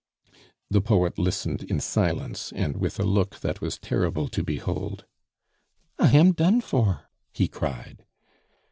The poet listened in silence, and with a look that was terrible to behold. "I am done for!" he cried.